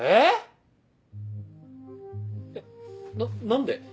え⁉な何で？